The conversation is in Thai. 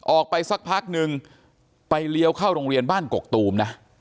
ออกไปสักพักนึงไปเลี้ยวเข้าโรงเรียนบ้านกกตูมนะ